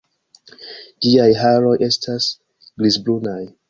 Ĝiaj haroj estas grizbrunaj.